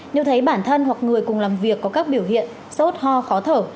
nếu thấy bản thân hoặc người cùng làm việc có các biểu hiện sốt ho khó thở